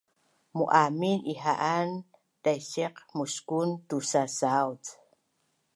Mu’amin ihaan daisiq muskun tusasauc